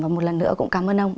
và một lần nữa cũng cảm ơn ông